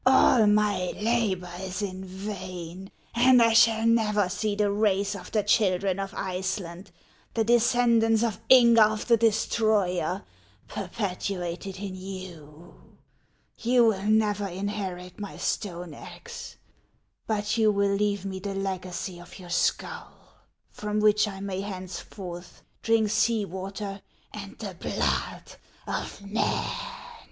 All my labor is in vain, and I shall never see the race of the children of Iceland, the descendants of Ingulf the Destroyer, perpetuated in you ; you will never inherit my stone axe ; but you leave me the legacy of your skull, from which I may henceforth drink sea water and the blood of men."